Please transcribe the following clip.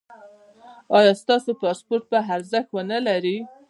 ایا ستاسو پاسپورت به ارزښت و نه لري؟